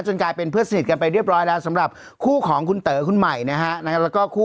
ต้องการเป็นเพื่อสนิทกันไปเรียบร้อยแล้วสำหรับคู่ของคุณเตอร์คุณหมายและ